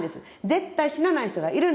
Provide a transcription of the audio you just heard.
絶対死なない人がいるんです。